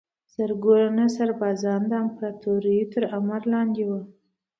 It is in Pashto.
زرګونه سربازان د امپراتوریو تر امر لاندې وو.